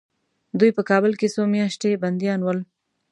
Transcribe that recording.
دوی په کابل کې څو میاشتې بندیان ول.